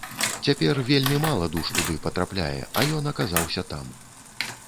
Цяпер вельмі мала душ туды патрапляе, а ён аказаўся там.